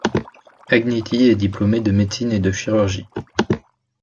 Agnetti est diplômé de médecine et de chirurgie.